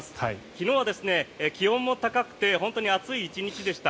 昨日は気温も高くて本当に暑い１日でした。